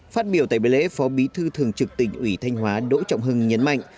phát biểu tại bữa lễ phó bí thư thường trực tỉnh ủy thanh hóa đỗ trọng hưng nhấn mạnh